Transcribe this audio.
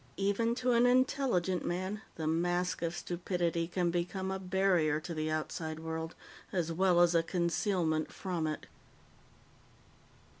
Even to an intelligent man, the mask of stupidity can become a barrier to the outside world as well as a concealment from it.